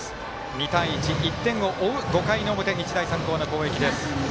２対１、１点を追う５回の表、日大三高の攻撃。